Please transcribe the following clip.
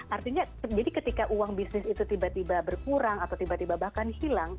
artinya jadi ketika uang bisnis itu tiba tiba berkurang atau tiba tiba bahkan hilang